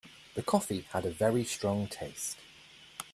The coffee had a very strong taste.